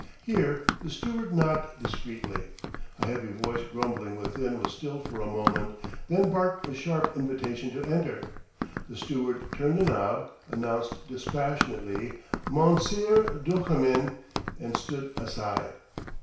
Here the steward knocked discreetly. A heavy voice grumbling within was stilled for a moment, then barked a sharp invitation to enter. The steward turned the knob, announced dispassionately "Monseer Duchemin," and stood aside.